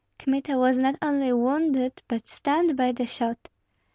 Kmita was not only wounded, but stunned by the shot.